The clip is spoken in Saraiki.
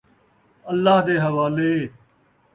اللہ دے حوالے